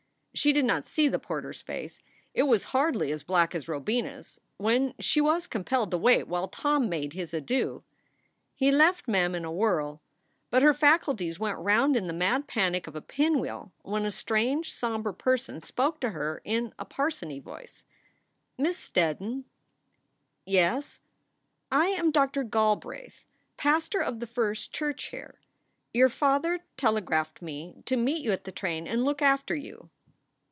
She did not see the porter s face. It was hardly as black as Robina s when she was compelled to wait while Tom made his adieux. He left Mem in a whirl. But her faculties went round in the mad panic of a pinwheel when a strange, somber person spoke to her in a parsony voice: "MissSteddon?" "Yes." " I am Doctor Galbraith, pastor of the First Church, here. Your father telegraphed me to meet you at the train and look after you."